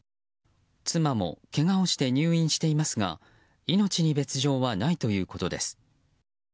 妻もけがをして入院していますが命に別条はないということです。